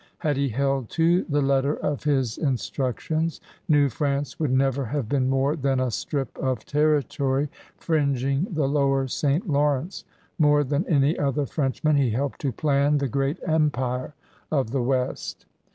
Had he held to the letter of his instructions. New France would never have been more than a strip of terri tory fringing the Lower St. Lawrence. More than any other Frenchman he helped to plan the great empire of the West.